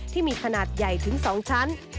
ที่มีขนาดใหญ่ถึง๒ชั้น